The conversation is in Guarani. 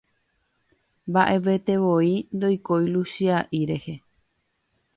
mba'evetevoi ndoikói Luchia'i rehe.